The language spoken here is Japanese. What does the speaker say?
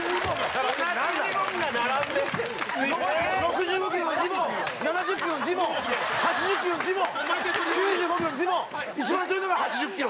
６５キロのジモン７０キロのジモン８０キロのジモン９５キロのジモン一番強いのが８０キロ？